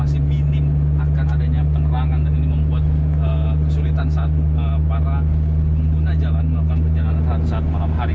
masih minim akan adanya penerangan dan ini membuat kesulitan saat para pengguna jalan melakukan perjalanan saat malam hari